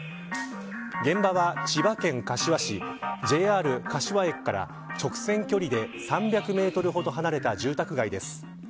現場は千葉県柏市ＪＲ柏駅から直線距離で３００メートルほど離れた住宅街です。